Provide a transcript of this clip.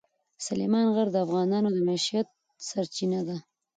سلیمان غر د افغانانو د معیشت سرچینه ده.